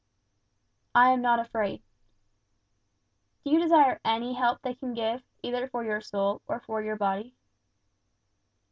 "I am not afraid." "Do you desire any help they can give, either for your soul or for your body?"